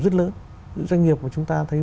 rất lớn những doanh nghiệp mà chúng ta thấy